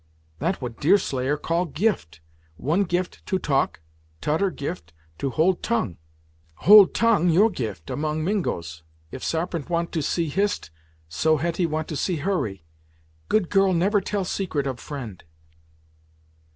"That what Deerslayer call gift. One gift to talk; t'udder gift to hold tongue. Hold tongue your gift, among Mingos. If Sarpent want to see Hist, so Hetty want to see Hurry. Good girl never tell secret of friend."